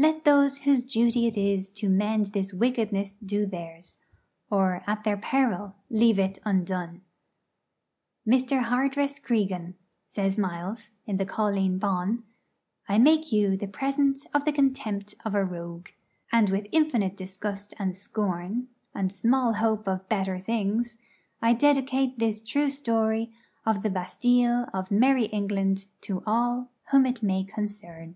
Let those whose duty it is to mend this wickedness do theirs, or at their peril leave it undone. 'Mr. Hardress Cregan,' says Miles, in the 'Colleen Bawn,' 'I make you the present of the contempt of a rogue.' And, with infinite disgust and scorn, and small hope of better things, I dedicate this true story of the Bastilles of merrie England to all whom it may concern.